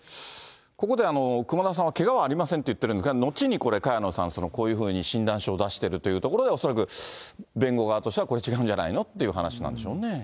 ここで熊田さんはけがはありませんと言ってるんですが、後にこれ、萱野さん、こういうふうに診断書を出しているというところで、恐らく弁護側としてはこれ、違うんじゃないのっていう話なんでしょうね。